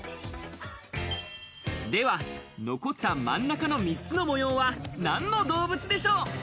では残った真ん中の３つの模様は何の動物でしょう？